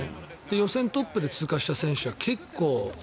予選トップで通過した選手は結構。